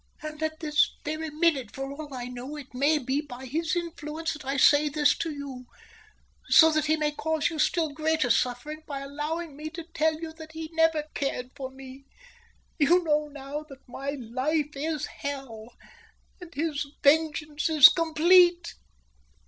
"And at this very minute, for all I know, it may be by his influence that I say this to you, so that he may cause you still greater suffering by allowing me to tell you that he never cared for me. You know now that my life is hell, and his vengeance is complete."